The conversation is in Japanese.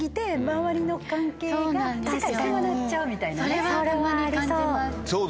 それはありそう。